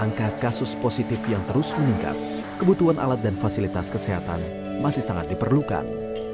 angka kasus positif yang terus meningkat kebutuhan alat dan fasilitas kesehatan masih sangat diperlukan